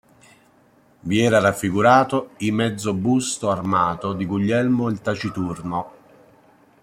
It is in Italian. Vi era raffigurato i mezzo busto armato di Guglielmo il Taciturno.